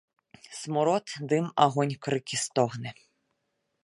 Смурод, дым, агонь, крыкі, стогны.